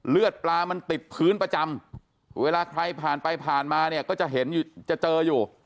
เลือดปลามันติดพื้นประจำเวลาใครผ่านไปผ่านมาเนี่ยก็จะเห็นอยู่จะเจออยู่